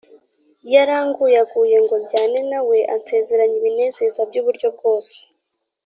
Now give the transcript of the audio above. yaranguyaguye ngo njyane nawe, ansezeranya ibinezeza by’uburyo bwose